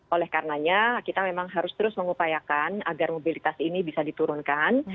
oleh karenanya kita memang harus terus mengupayakan agar mobilitas ini bisa diturunkan